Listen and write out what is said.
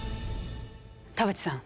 田渕さん。